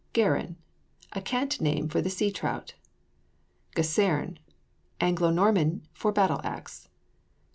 GERRON. A cant name for the sea trout. GESERNE. Anglo Norman for battle axe.